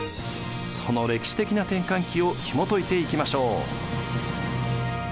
その歴史的な転換期をひもといていきましょう。